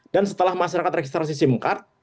dan setelah masyarakat registrasi sim card